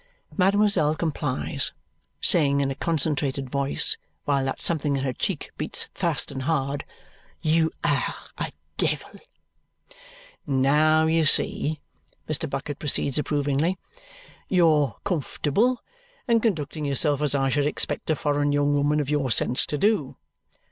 Mademoiselle complies, saying in a concentrated voice while that something in her cheek beats fast and hard, "You are a devil." "Now, you see," Mr. Bucket proceeds approvingly, "you're comfortable and conducting yourself as I should expect a foreign young woman of your sense to do.